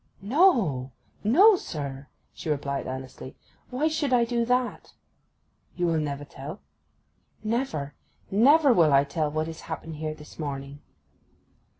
'No, no, sir!' she replied earnestly. 'Why should I do that?' 'You will never tell?' 'Never, never will I tell what has happened here this morning.